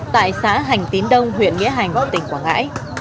tại xã hành tín đông huyện nghĩa hành tỉnh quảng ngãi